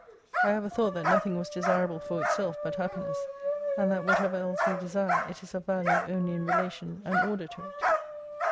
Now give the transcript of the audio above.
I ever thought that nothing was desirable for itself but happiness, and that whatever else we desire, it is of value only in rela tion, and order to it.